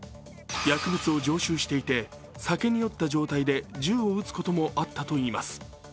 薬物を常習していて、酒に酔った状態で銃を撃つこともあったといいます。